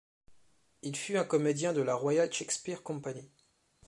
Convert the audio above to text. Il fut un comédien de la Royal Shakespeare Company.